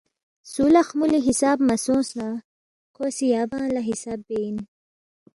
سُو لہ خمُولی حساب مہ سونگس نہ کھو سی یا بنگ لہ حساب بے اِن